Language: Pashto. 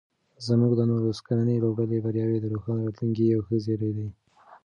زموږ د نولس کلنې لوبډلې بریاوې د روښانه راتلونکي یو ښه زېری دی.